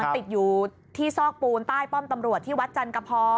ติดอยู่ที่ซอกปูนใต้ป้อมตำรวจที่วัดจันกพอ